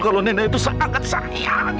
kalau nenek itu sangat syariah